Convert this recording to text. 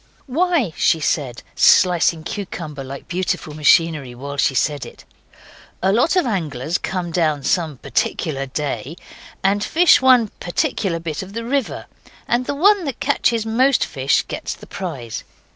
'Why,' she said, slicing cucumber like beautiful machinery while she said it, 'a lot of anglers come down some particular day and fish one particular bit of the river. And the one that catches most fish gets the prize.